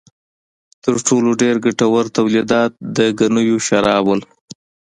تر ټولو ډېر ګټور تولیدات د ګنیو شراب و.